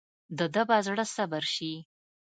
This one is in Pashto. دده به زړه صبر شي.